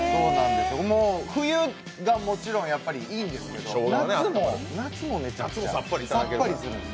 冬がもちろんいいんですけど、夏もめちゃくちゃさっぱりしてるんです。